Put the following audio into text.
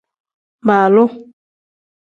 Baaloo.